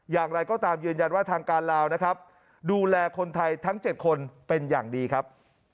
อย่างไรก็ตามยืนยันว่าทางการลาวนะครับดูแลคนไทยทั้ง๗คนเป็นอย่างดีครับ